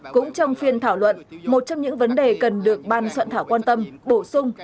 cũng trong phiên thảo luận một trong những vấn đề cần được ban soạn thảo quan tâm bổ sung